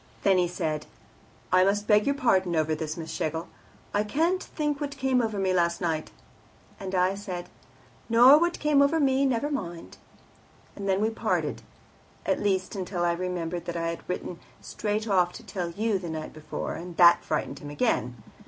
Then he said, 'I must beg your pardon over this, Miss Schlegel; I can't think what came over me last night.' And I said, 'Nor what over me; never mind.' And then we parted at least, until I remembered that I had written straight off to tell you the night before, and that frightened him again.